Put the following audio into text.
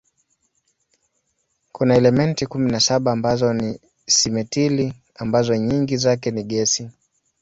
Kuna elementi kumi na saba ambazo ni simetili ambazo nyingi zake ni gesi.